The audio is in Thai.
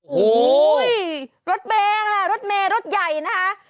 โห้ยยยยยรถเมฆละรถเมฆล์รถใหญ่นะคะ